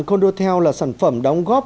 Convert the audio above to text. cô đô theo là sản phẩm đóng góp